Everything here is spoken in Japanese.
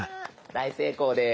大成功です。